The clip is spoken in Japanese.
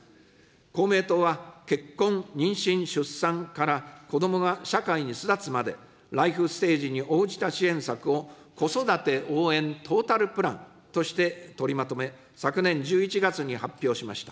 公明党は結婚、妊娠・出産から子どもが社会に巣立つまで、ライフステージに応じた支援策を子育て応援トータルプランとして取りまとめ、昨年１１月に発表しました。